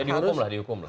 ya dihukumlah dihukumlah